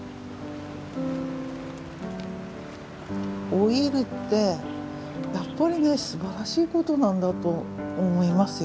老いるってやっぱりねすばらしいことなんだと思いますよ。